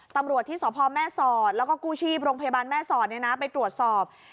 ตำรวจที่สพแม่สอดแล้วก็กู้ชีพโรงพยาบาลแม่สอดไปตรวจสอบ